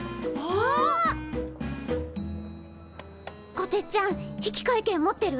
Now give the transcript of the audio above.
こてっちゃん引換券持ってる？